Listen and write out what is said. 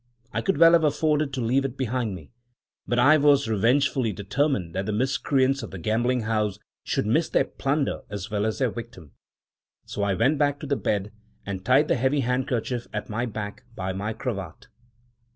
I could well have afforded to leave it behind me, but I was revengefully determined that the miscreants of the gambling house should miss their plunder as well as their victim. So I went back to the bed and tied the heavy handkerchief at my back by my cravat.